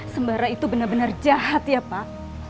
sembara itu benar benar jahat ya pak